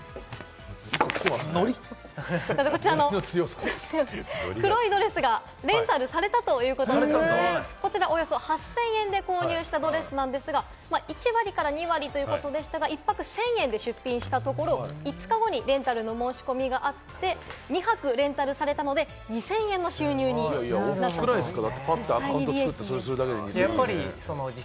こちらの黒いドレスがレンタルされたということで、およそ８０００円で購入したドレスなんですが、１割から２割ということでしたが、１泊１０００円で出品したところ、５日後にレンタルの申し込みがあって、２泊レンタルされたので、２０００円の収入になったということです。